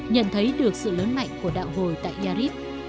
nhận thấy được sự lớn mạnh của đạo hồi tại yarif